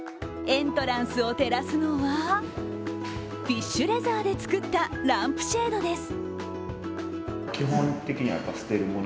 エントランスを照らすのは、フィッシュレザーで作ったランプシェードです。